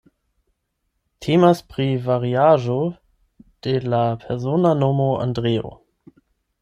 Temas pri variaĵo de la persona nomo Andreo.